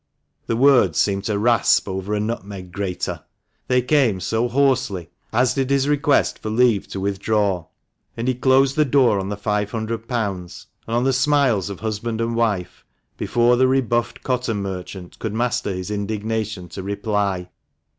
The words seemed to rasp over a nutmeg grater, they came so hoarsely, as did his request for leave to withdraw ; and he closed the door on the five hundred pounds, and on the smiles of husband and wife, before the rebuffed cotton merchant could master his indignation to reply.